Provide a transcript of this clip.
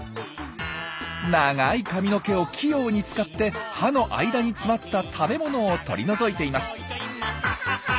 長い髪の毛を器用に使って歯の間に詰まった食べ物を取り除いています。